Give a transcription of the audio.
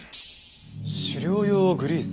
「狩猟用グリース」？